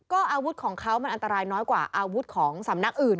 ก็อาวุธของเขามันอันตรายน้อยกว่าอาวุธของสำนักอื่น